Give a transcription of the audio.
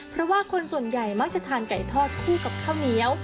เพราะว่าคนส่วนใหญ่มักจะทานไก่ทอดคู่กับข้าวเหนียว